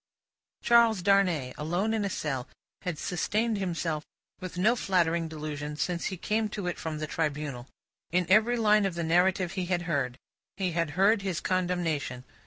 Charles Darnay, alone in a cell, had sustained himself with no flattering delusion since he came to it from the Tribunal. In every line of the narrative he had heard, he had heard his condemnation.